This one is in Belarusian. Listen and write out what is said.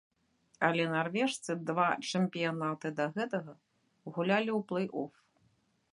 Але нарвежцы два чэмпіянаты да гэтага гулялі ў плэй-оф.